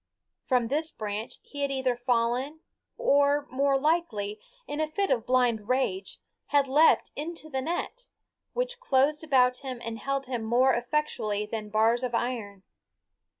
From this branch he had either fallen or, more likely, in a fit of blind rage had leaped into the net, which closed around him and held him more effectually than bars of iron.